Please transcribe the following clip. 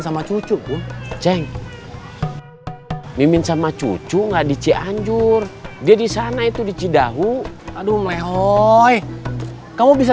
sama cucu ceng mimin sama cucu enggak di cianjur dia disana itu di cidahu aduh melehoi kamu bisa